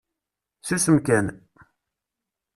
Susem kan!